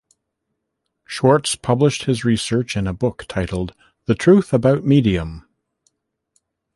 Schwartz published his research in a book titled "The Truth About Medium".